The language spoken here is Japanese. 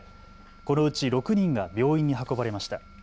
このうち６人が病院に運ばれました。